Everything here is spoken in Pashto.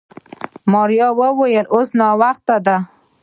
ماريا وويل اوس ناوخته دی.